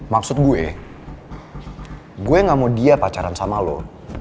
maksud gue gue gak mau dia pacaran sama lo